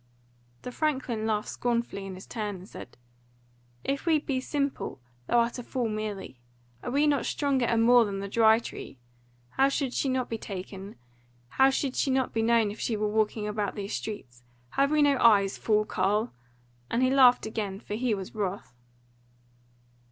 The franklin laughed scornfully in his turn and said: "If we be simple, thou art a fool merely: are we not stronger and more than the Dry Tree? How should she not be taken? How should she not be known if she were walking about these streets? Have we no eyes, fool carle?" And he laughed again, for he was wroth.